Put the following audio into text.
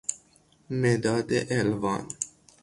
مداد الوان